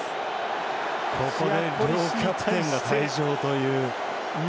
ここで両キャプテンの退場という。